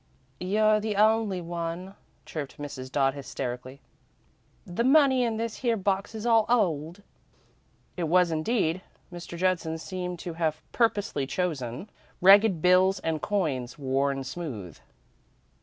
"You're the only one," chirped Mrs. Dodd, hysterically. "The money in this here box is all old." It was, indeed. Mr. Judson seemed to have purposely chosen ragged bills and coins worn smooth.